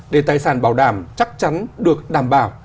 để tài sản bảo đảm chắc chắn được đảm bảo